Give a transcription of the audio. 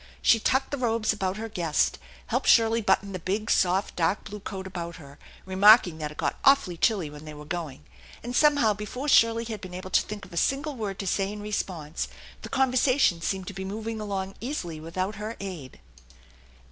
She tucked the robes about her guest, helped Shirley button the big, soft dark blue coat about her, rem'arking that it got awfully chilly when they were going; and somehow before Shirley had been able to think of a single word to say in response the conversation seemed to be moving along easily without her aid.